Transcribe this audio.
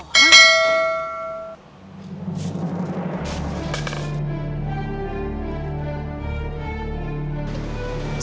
kayak ada orang